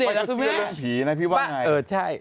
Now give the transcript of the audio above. เขาจะเชื่อเรื่องผีนะพี่ว่าไง